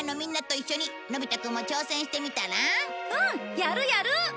やるやる！